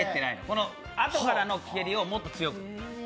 このあとからの蹴りをもっと強く。